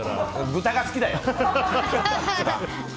豚が好きだよ！